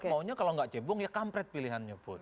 maunya kalau nggak cebung ya kampret pilihannya pun